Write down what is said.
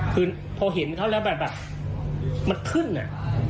คือพอเห็นเขาแล้วแบบมันขึ้นอ่ะ